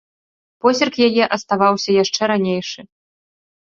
Позірк яе аставаўся яшчэ ранейшы.